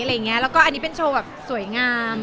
แล้วก็อันนี้เป็นโชว์แบบสวยงาม